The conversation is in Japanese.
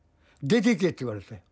「出ていけ」って言われたの。